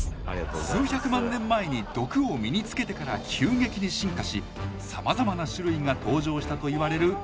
数百万年前に毒を身につけてから急激に進化しさまざまな種類が登場したと言われるフグ。